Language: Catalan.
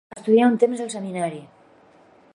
Estudià un temps al Seminari.